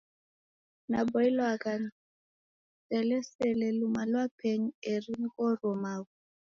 Naboilwagha niselesele luma lwa penyu eri nighoruo maghu.